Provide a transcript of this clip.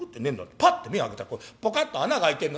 パッて目ぇ開けたらポカッと穴が開いてんの。